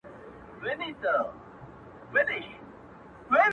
o د شپې نه وروسته بيا سهار وچاته څه وركوي،